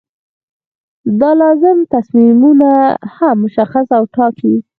دا لازم تصمیمونه هم مشخص او ټاکي.